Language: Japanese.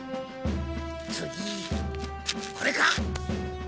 次これか。